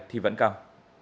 thì vẫn càng